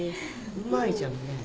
うまいじゃんねぇ。